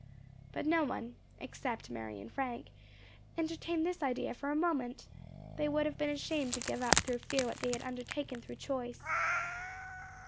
But no one, except Mary and Frank, entertained this idea for a moment; they would have been ashamed to give up through fear what they had undertaken through choice.